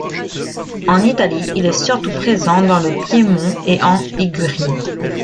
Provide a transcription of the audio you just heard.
En Italie, il est surtout présent dans le Piémont et en Ligurie.